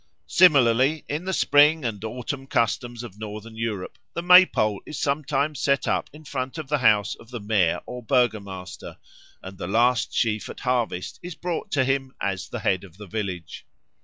Similarly in the spring and autumn customs of Northern Europe the May pole is sometimes set up in front of the house of the mayor or burgomaster, and the last sheaf at harvest is brought to him as the head of the village.